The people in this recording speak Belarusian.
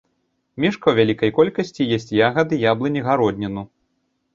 Мішка ў вялікай колькасці есць ягады, яблыкі, гародніну.